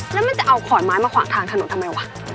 แล้วมันจะเอาขอนไม้มาขวางทางถนนทำไมวะ